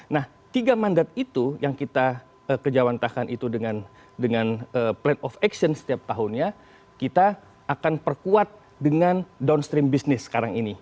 nah tiga mandat itu yang kita kejawantahkan itu dengan plan of action setiap tahunnya kita akan perkuat dengan downstream bisnis sekarang ini